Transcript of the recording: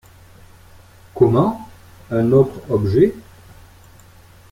Comment ! un autre objet ?